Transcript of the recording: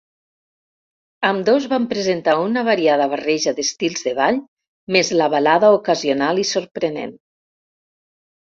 Ambdós van presentar una variada barreja d'estils de ball més la balada ocasional i sorprenent.